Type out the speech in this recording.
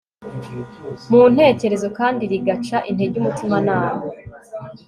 mu ntekerezo kandi rigaca intege umutimanama